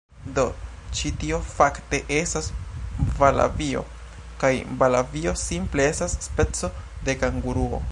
Do, ĉi tio, fakte, estas valabio kaj valabio simple estas speco de kanguruo.